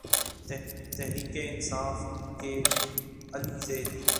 تحریک انصاف کے علی زیدی